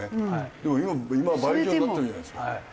でも今倍以上になったんじゃないですか。